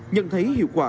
nhận thấy hiệu quả